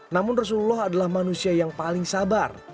namun rasulullah adalah manusia yang paling sabar